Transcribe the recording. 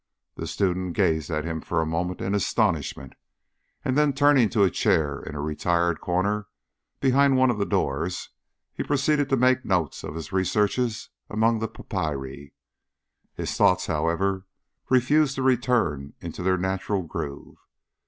The student gazed at him for a moment in astonishment, and then turning to a chair in a retired corner behind one of the doors he proceeded to make notes of his researches among the papyri. His thoughts, however refused to return into their natural groove.